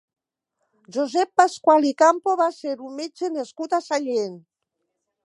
Josep Pasqual i Campo va ser un metge nascut a Sallent.